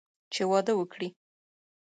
چې واده وکړي.